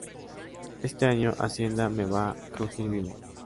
Este año Hacienda me va a crujir vivo